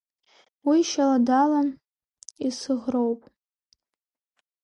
Уи шьала-дала исыӷроуп.